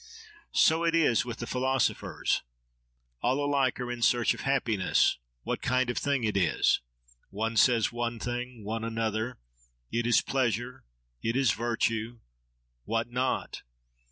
So it is with the philosophers. All alike are in search of Happiness—what kind of thing it is. One says one thing, one another: it is pleasure; it is virtue;—what not?